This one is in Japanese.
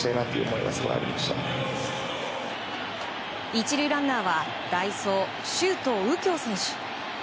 １塁ランナーは代走、周東佑京選手。